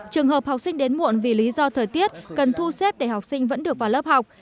trường hợp học sinh đến muộn vì lý do thời tiết cần thu xếp để học sinh vẫn được vào lớp học